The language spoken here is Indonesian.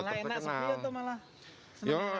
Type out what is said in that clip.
malah enak sepi atau malah